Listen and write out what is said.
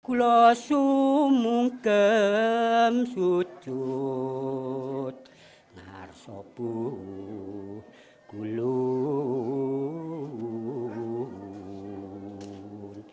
kulasu mungkem sucut narsopu kulun